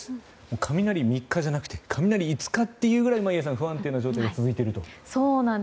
雷３日じゃなくて雷５日というぐらい眞家さん、不安定な状態が続いていると。